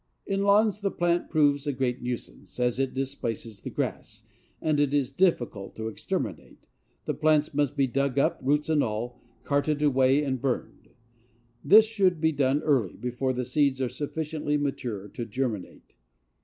In lawns the plant proves a great nuisance, as it displaces the grass, and it is difficult to exterminate. The plants must be dug up, roots and all, carted away and burned. This should be done early, before the seeds are sufficiently mature to germinate.